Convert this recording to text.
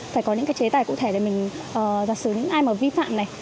phải có những cái chế tài cụ thể để mình giả sử những ai mà vi phạm này